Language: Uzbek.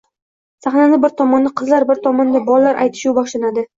Saxnani bir tomonida qizlar bir tomonida bollar aytishuv boshlanadi